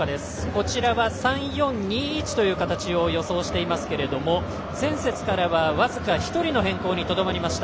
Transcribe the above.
こちらは３−４−２−１という形を予想していますけれども前節からは僅か１人の変更にとどまりました。